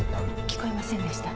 聞こえませんでした。